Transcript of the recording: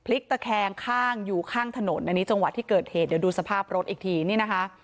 ตะแคงข้างอยู่ข้างถนนอันนี้จังหวะที่เกิดเหตุเดี๋ยวดูสภาพรถอีกทีนี่นะคะ